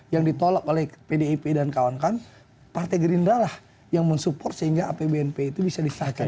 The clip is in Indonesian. yang ditolak oleh pdip dan kawan kawan partai gerindra lah yang mensupport sehingga apbnp itu bisa disahkan